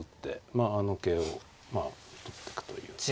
まああの桂を取ってくという。